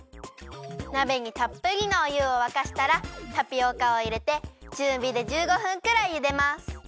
なべにたっぷりのおゆをわかしたらタピオカをいれてちゅうびで１５分くらいゆでます。